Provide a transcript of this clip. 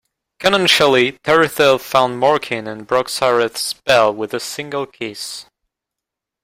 Canoncially, Tarithel found Morkin and broke Shareth's spell with a single kiss.